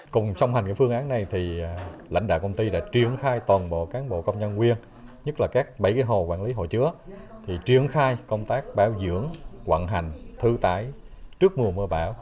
cùng xong hành phương án này lãnh đạo công ty đã triển khai toàn bộ cán bộ công nhân quyên nhất là các bảy hồ quản lý hồ chứa triển khai công tác báo dưỡng quản hành thư tái trước mùa mưa bão